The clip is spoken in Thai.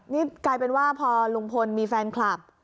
นี่กลายเป็นว่าพอลุงพลมีแฟนคลับ